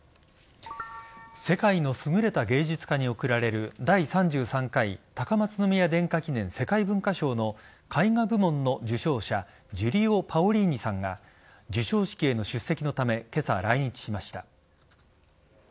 世界の優れた芸術家に贈られる第３３回高松宮殿下記念世界文化賞の絵画部門の受賞者ジュリオ・パオリーニさんが授賞式への出席のため今朝、来日しました。